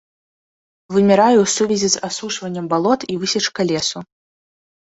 Вымірае ў сувязі з асушваннем балот і высечкай лесу.